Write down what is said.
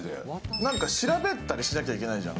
何か調べたりしなきゃいけないじゃん。